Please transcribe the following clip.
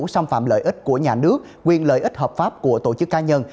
xâm phạm lợi ích của nhà nước quyền lợi ích hợp pháp của tổ chức cá nhân